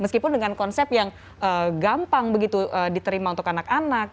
meskipun dengan konsep yang gampang begitu diterima untuk anak anak